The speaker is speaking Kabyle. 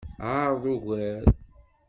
Ɛṛeḍ ugar.